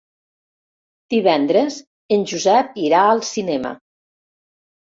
Divendres en Josep irà al cinema.